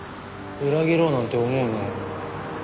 裏切ろうなんて思うなよ。